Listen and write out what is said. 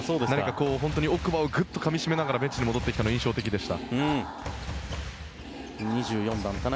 本当に奥歯をぐっとかみしめながらベンチに戻ってきたのが印象的でした。